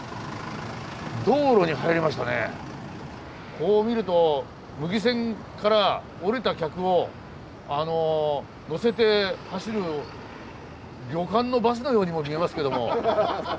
こう見ると牟岐線から降りた客を乗せて走る旅館のバスのようにも見えますけども。